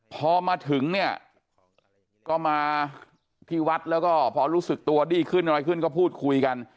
พอมาถึงเนี่ยก็มาที่วัดแล้วก็พอรู้สึกตัวดีขึ้นอะไรขึ้นก็พูดคุยกัน